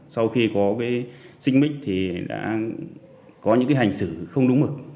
sau khi có xích mít thì đã có những hành xử không đúng mực